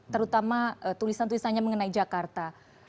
terutama tulisan tulisannya mengenai jakarta